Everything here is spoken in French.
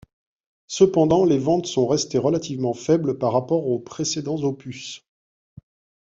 Cependant, les ventes sont restées relativement faibles par rapport aux précédents opus.